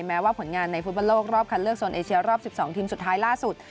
แม้ว่าผลงานในฟุตบอลโลกรอบคันเลือกโซนเอเชียรอบ๑๒ทีมสุดท้ายล่าสุด